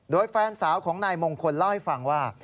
โดยแฟนสาวของนายมงคลเล่าให้ฟังว่า